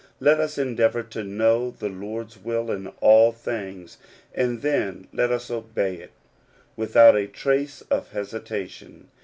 Let us endeavor to know the Lord's will in all things, and then let us obey it without a trace of hesitation.